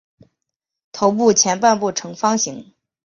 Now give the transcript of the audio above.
头部前半部呈方形。